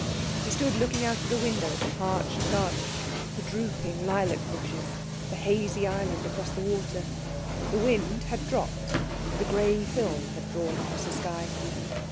He stood looking out of the window at the parched garden, the drooping lilac bushes, the hazy island across the water. The wind had dropped, and a gray film had drawn across the sky.